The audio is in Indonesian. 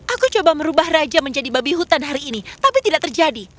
aku coba merubah raja menjadi babi hutan hari ini tapi tidak terjadi